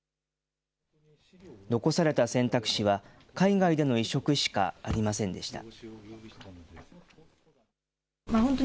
残された選択肢は、海外での移植しかありませんでした。